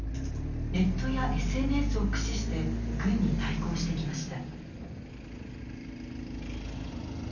ネットやＳＮＳを駆使して軍に対抗してきました。